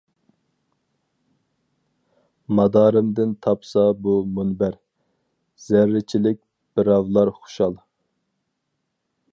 مادارىمدىن تاپسا بۇ مۇنبەر، زەررىچىلىك بىراۋلار خۇشال.